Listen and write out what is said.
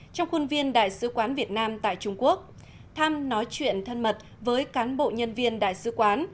trong khuôn viên đại sứ quán việt nam tại trung quốc thăm nói chuyện thân mật với cán bộ nhân viên đại sứ quán